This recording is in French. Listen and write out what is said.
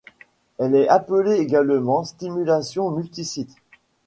Elle est appelée également stimulation multisite.